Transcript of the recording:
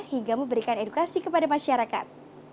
hingga memberikan edukasi kepada masyarakat